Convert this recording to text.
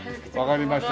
わかりました。